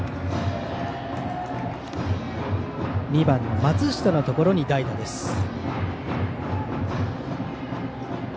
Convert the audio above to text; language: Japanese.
２番、松下のところに代打です。